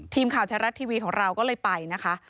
ทีมข่าวแท้รัฐทีวีของเราก็เลยไปนะคะ